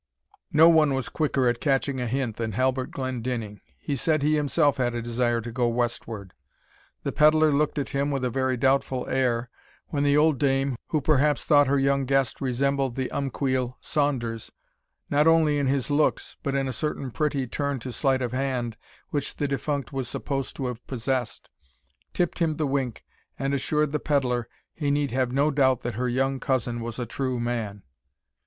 No one was quicker at catching a hint than Halbert Glendinning. He said he himself had a desire to go westward. The pedlar looked at him with a very doubtful air, when the old dame, who perhaps thought her young guest resembled the umquhile Saunders, not only in his looks, but in a certain pretty turn to sleight of hand, which the defunct was supposed to have possessed, tipped him the wink, and assured the pedlar he need have no doubt that her young cousin was a true man.